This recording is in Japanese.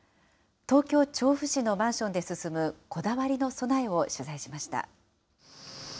東京・調布市のマンションで進む、こだわりの備えを取材しました。